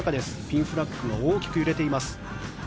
ピンフラッグが大きく揺れています。